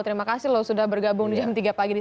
terima kasih loh sudah bergabung di jam tiga pagi di sini